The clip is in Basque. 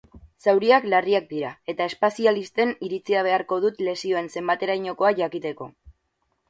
Zauriak larriak dira, eta espazialisten iritzia beharko dut lesioen zenbaterainokoa jakiteko.